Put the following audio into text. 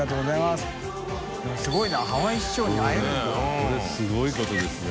これすごいことですね。